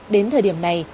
đến thời điểm này